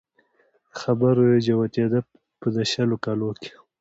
له خبرو يې جوتېده په د شلو کلو کې